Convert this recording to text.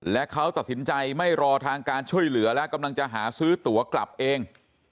และเขาตัดสินใจไม่รอทางการช่วยเหลือและกำลังจะหาซื้อตัวกลับเอง